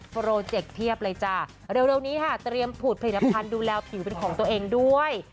โปรเจคเพียบเลยจ้ะเร็วนี้ค่ะเตรียมผูดผลิตภัณฑ์ดูแลผิวเป็นของตัวเองด้วย